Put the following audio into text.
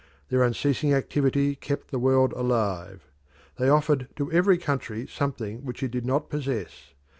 Their unceasing activity kept the world alive. They offered to every country something which it did not possess.